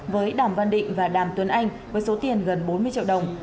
với đàm văn định và đàm tuấn anh với số tiền gần bốn mươi triệu đồng